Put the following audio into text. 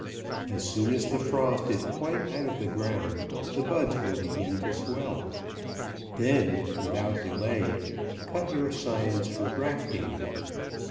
As soon as the frost is quite out of the ground, the buds will begin to swell. Th^n, without delay, cut your scions for grafting.